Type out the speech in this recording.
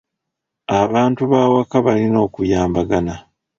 Abantu b'awaka balina okuyambagana.